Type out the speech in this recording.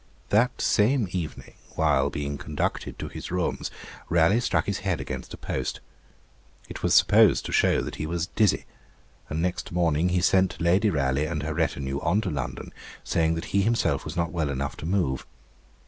That same evening, while being conducted to his rooms, Raleigh struck his head against a post. It was supposed to show that he was dizzy; and next morning he sent Lady Raleigh and her retinue on to London, saying that he himself was not well enough to move.